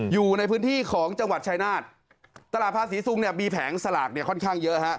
อยู่ในพื้นที่ของจังหวัดชายนาฏตลาดภาษีซุงเนี่ยมีแผงสลากเนี่ยค่อนข้างเยอะฮะ